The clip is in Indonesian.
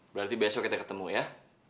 berarti besok kita ketemu ya